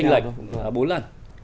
tranh lệch bốn lần